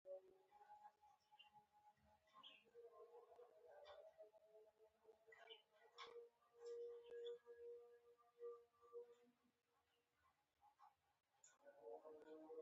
له خړ چايه مړه تاوونه پورته کېدل.